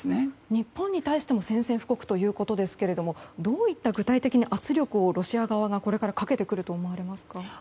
日本に対しても宣戦布告ということですけどもどういった具体的な圧力をロシア側はこれからかけてくると思われますか？